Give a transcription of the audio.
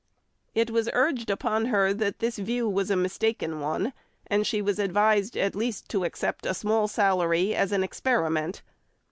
It was urged upon her that this view was a mistaken one, and she was advised at least to accept a small salary as an experiment.